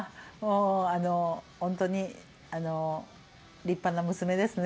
本当に立派な娘ですね。